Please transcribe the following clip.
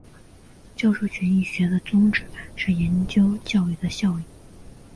教育效益学的宗旨是研究教育的效益。